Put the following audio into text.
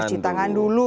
cuci tangan dulu